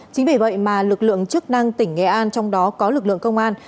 chính vì vậy mà lực lượng chức năng tỉnh nghệ an trong đó có lực lượng công an